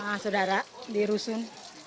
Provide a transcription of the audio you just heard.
nah saudara di rusun